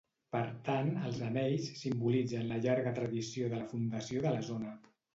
Per tant, els anells simbolitzen la llarga tradició de la fundació de la zona.